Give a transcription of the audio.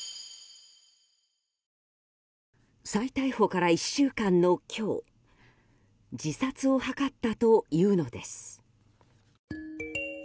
再逮捕から１週間の今日自殺を図ったというのです。